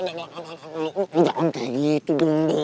nggak nanti gitu dong